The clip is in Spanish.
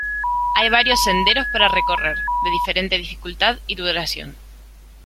Hay varios senderos para recorrer, de diferente dificultad y duración.